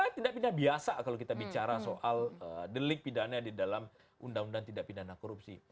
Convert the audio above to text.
tidak pidana biasa kalau kita bicara soal delik pidana di dalam undang undang tidak pidana korupsi